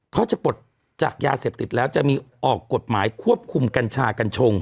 เขาจะปลดจากยาเสพติดแล้วจะมีออกกฎหมายควบคุมกัญชากัญชง